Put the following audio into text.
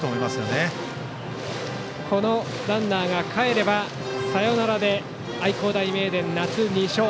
三塁ランナーがかえればサヨナラで愛工大名電、夏２勝。